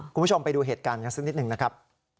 คุณผู้ชมไปดูเหตุการณ์กันสักนิดหนึ่งนะครับ